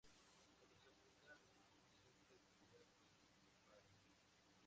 Otros apuntan a una simple pelea de bar.